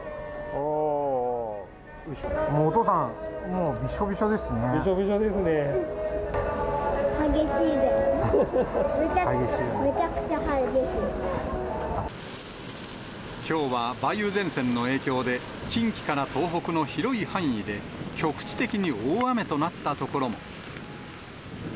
お父さん、もうびしょびしょきょうは梅雨前線の影響で、近畿から東北の広い範囲で局地的に大雨となった所も。